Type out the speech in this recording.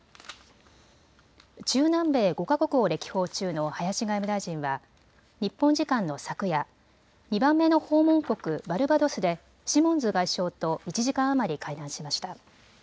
中南米５か国を歴訪中の林外務大臣は日本時間の昨夜、２番目の訪問国バルバドスでシモンズ外相と１時間余り会談しました。